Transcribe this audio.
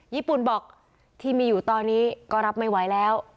ญี่ปุ่นบอกที่มีอยู่ตอนนี้ก็รับไม่ไหวแล้ว